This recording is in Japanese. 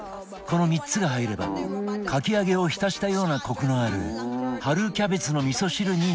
この３つが入ればかき揚げを浸したようなコクのある春キャベツの味噌汁になるという